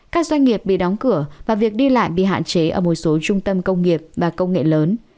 các doanh nghiệp bị đóng cửa và việc đi lại bị hạn chế ở một số trung tâm công nghiệp và công nghệ lớn